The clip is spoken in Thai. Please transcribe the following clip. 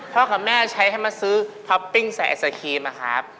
พ่อกับแม่ใช้ให้มาซื้อพับปิ้งใส่แอสเกมครับ